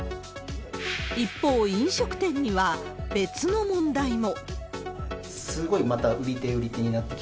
一方、飲食店には別の問題も。